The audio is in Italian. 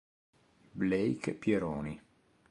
Blake Pieroni